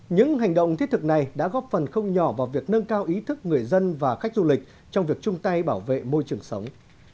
những hành động thiết thực này đã góp phần không nhỏ vào việc nâng cao ý thức người dân và khách du lịch trong việc chung tay bảo vệ môi trường sống